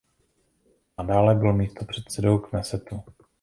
Nadále byl místopředsedou Knesetu.